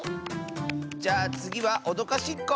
じゃあつぎはおどかしっこ！